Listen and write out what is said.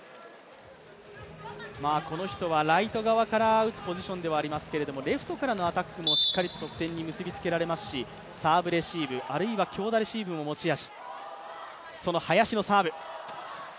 この人はライト側から打つポジションではありますがレフトからのアタックもしっかり得点に結びつけられますし、サーブレシーブあるいは強打レシーブも持ち味。